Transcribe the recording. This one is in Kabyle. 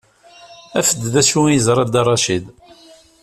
Af-d d acu ay yeẓra Dda Racid.